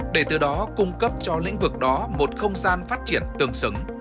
để từ đó cung cấp cho lĩnh vực đó một không gian phát triển tương xứng